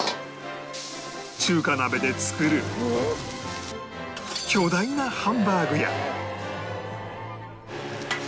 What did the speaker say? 中華鍋で作る巨大なハンバーグや